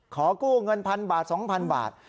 ขอกู้เงินพันบาทสองพันบาท